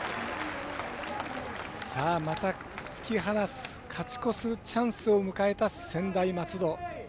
また突き放す勝ち越すチャンスを得た専修大松戸。